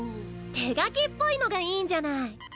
手書きっぽいのがいいんじゃない。